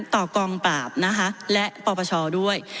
ต่อกองปราบและปรปชด้วย